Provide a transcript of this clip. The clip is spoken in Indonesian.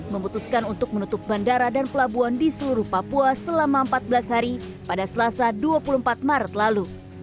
memutuskan untuk menutup bandara dan pelabuhan di seluruh papua selama empat belas hari pada selasa dua puluh empat maret lalu